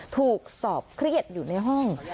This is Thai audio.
ถูกสอบเครียดอยู่ในห้อง